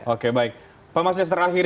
oke baik pak mas nester akhir